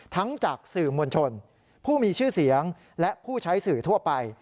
จากสื่อมวลชนผู้มีชื่อเสียงและผู้ใช้สื่อทั่วไป